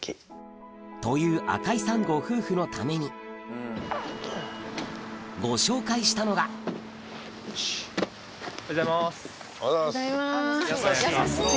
という赤井さんご夫婦のためにご紹介したのがおはようございます。